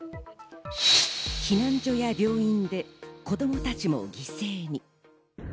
避難所や病院で子供たちも犠牲に。